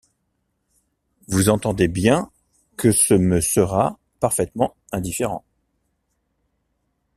Vous entendez bien que ce me sera parfaitement indifférent.